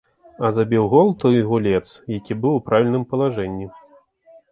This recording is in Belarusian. А забіў гол той гулец, які быў у правільным палажэнні.